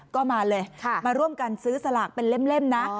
ก็มาเลยมาร่วมกันซื้อสลากเป็นเล่มนะ